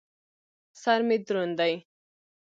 سر مې دروند دى.